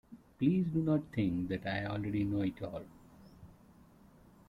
Please do not think that I already know it all.